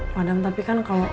madam tapi kan kalau